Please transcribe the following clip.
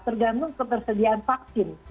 tergantung kepersediaan vaksin